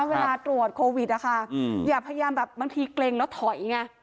เวลาตรวจโควิดนะคะอย่าพยายามแบบบางทีเกร็งแล้วถอยไง